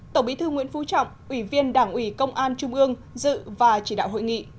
tổng bí thư nguyễn phú trọng ủy viên đảng ủy công an trung ương dự và chỉ đạo hội nghị